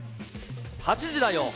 ８時だよ！